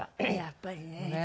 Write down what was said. やっぱりね。